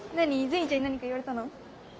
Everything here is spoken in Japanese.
善意ちゃんに何か言われたの？